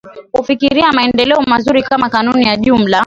kufikiria maendeleo mazuri Kama kanuni ya jumla